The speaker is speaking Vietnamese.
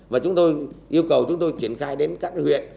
và chúng tôi yêu cầu chúng tôi triển khai đến các huyện